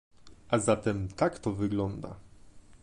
A zatem tak to wygląda